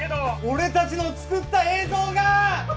俺達の作った映像が！